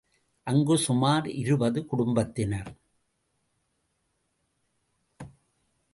அங்கு சுமார் இருபது குடும்பத்தினர்.